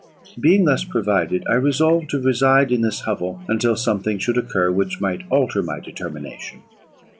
"Being thus provided, I resolved to reside in this hovel, until something should occur which might alter my determination.